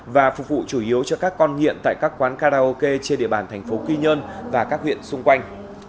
và phục vụ chủ yếu cho các con nghiện tại các quán karaoke trên địa bàn thành phố quy nhơn và các huyện xung quanh